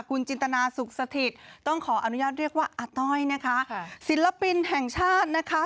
คุณจินตนาสุขสถิตต้องขออนุญาตเรียกว่าอาต้อยนะคะศิลปินแห่งชาตินะคะ